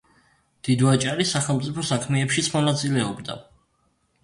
დიდვაჭარი სახელმწიფო საქმეებშიც მონაწილეობდა.